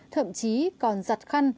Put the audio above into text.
thậm chí còn giặt khăn